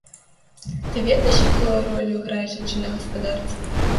Ты ведаеш, якую ролю грае жанчына ў гаспадарцы?